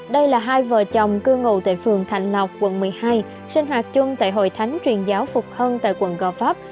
đây là hai vợ chồng cư ngụ tại phường thạnh lộc quận một mươi hai sinh hoạt chung tại hội thánh truyền giáo phục hân tại quận gò pháp